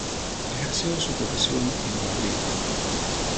Ejerció su profesión en Madrid.